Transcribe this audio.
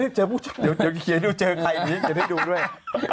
ไม่ได้เจอผู้เจอเดี๋ยวเคยให้ดูเจอใครอีกอยากให้ดูด้วย